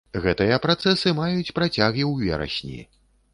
Гэтыя працэсы маюць працяг і ў верасні.